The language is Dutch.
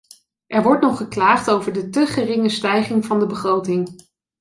Er wordt nog geklaagd over de te geringe stijging van de begroting.